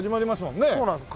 そうなんです。